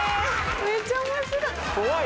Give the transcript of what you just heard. めっちゃ面白い。